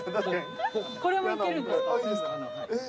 これもいけるんですか？